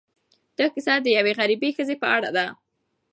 دا کيسه د یوې غریبې ښځې په اړه ده.